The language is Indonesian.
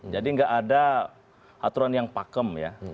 nggak ada aturan yang pakem ya